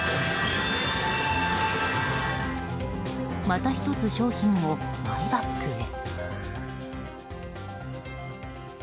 また１つ商品をマイバッグへ。